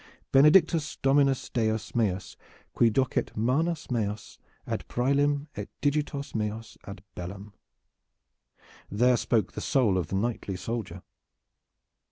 "Benedictus dominus deus meus qui docet manus meas ad Praelium et digitos meos ad bellum!" There spoke the soul of the knightly soldier.